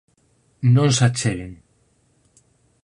Non se acheguen.